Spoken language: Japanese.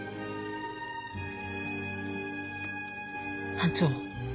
班長